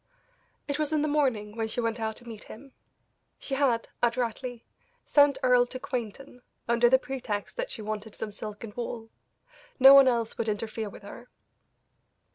It was in the morning when she went out to meet him; she had, adroitly, sent Earle to Quainton, under the pretext that she wanted some silk and wool; no one else would interfere with her.